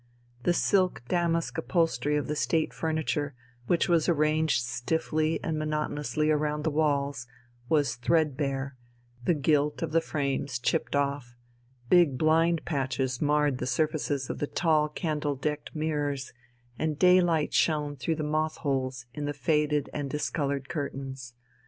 The silk damask upholstery of the State furniture, which was arranged stiffly and monotonously round the walls, was thread bare, the gilt of the frames chipped off, big blind patches marred the surfaces of the tall candle decked mirrors, and daylight shone through the moth holes in the faded and discoloured curtains.